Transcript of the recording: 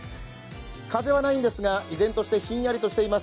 風はないんですが、依然としてひんやりしています。